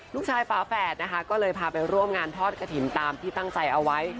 ลูกชายปาแฝดก็เลยพาไปร่วมงานทอดกะทินตามที่ตั้งใจเอาไว้